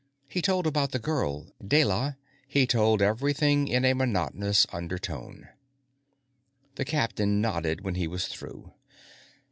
He told about the girl, Deyla. He told everything in a monotonous undertone. The captain nodded when he was through.